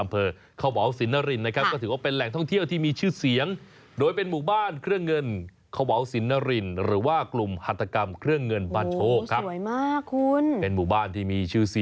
ไปฟังเสียงเค้าทำเครื่องเงินนั่นเหรอ